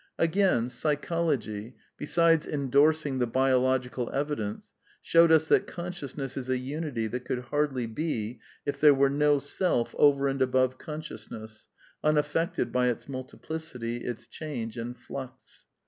Again, Psychology, besides endorsing the biological evidence, showed us that consciousness is a unity that could hardly be if there were no self over and above con sciousness, unaffected by its multiplicity, its change and flux.